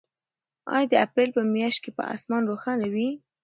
آیا د اپریل په میاشت کې به اسمان روښانه وي؟